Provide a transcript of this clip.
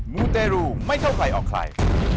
มูเตรูไม่เข้าใครออกใคร